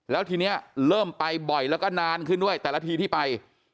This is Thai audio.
แล้วทีนี้เริ่มไปบ่อยแล้วก็นานขึ้นด้วยแต่ละทีที่ไป